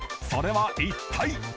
それは一体？